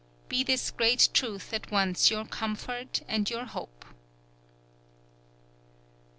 Be this great truth at once your comfort and your hope!"